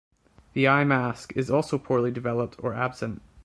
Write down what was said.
The eye mask is also poorly developed or absent.